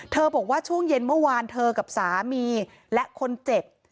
บอกว่าช่วงเย็นเมื่อวานเธอกับสามีและคนเจ็บ